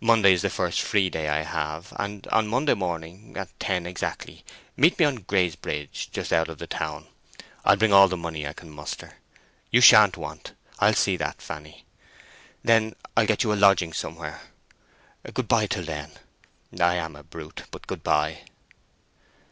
Monday is the first free day I have; and on Monday morning, at ten exactly, meet me on Grey's Bridge just out of the town. I'll bring all the money I can muster. You shan't want—I'll see that, Fanny; then I'll get you a lodging somewhere. Good bye till then. I am a brute—but good bye!"